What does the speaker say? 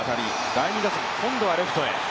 第２打席、今度はレフトへ。